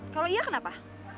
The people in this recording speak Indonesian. kalau iya kenapa